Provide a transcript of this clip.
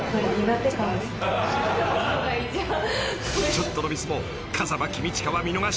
［ちょっとのミスも］